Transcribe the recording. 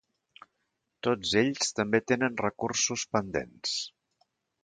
Tots ells també tenen recursos pendents.